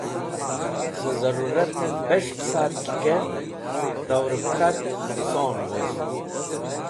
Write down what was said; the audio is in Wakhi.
Cẽ zẽrũratẽn bes̃h qẽsat ki kert torẽb k̃hat nẽqson wost.